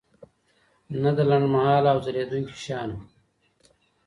نه د لنډمهاله او ځلیدونکي شیانو.